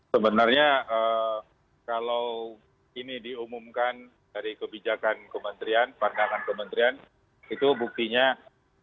sebenarnya kalau ini diumumkan dari kebijakan kementerian pandangan kementerian itu buktinya